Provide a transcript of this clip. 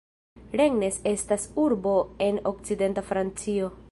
Rennes estas urbo en okcidenta Francio.